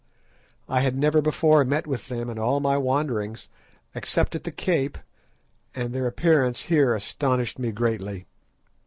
I had never before met with them in all my wanderings, except at the Cape, and their appearance here astonished me greatly.